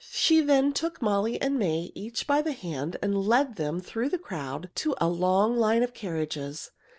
She then took Molly and May each by the hand and led them through the crowd to a long line of carriages.